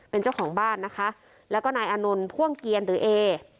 เป็นเจ้าของบ้านนะคะแล้วก็นายอานนท์พ่วงเกียรหรือเอ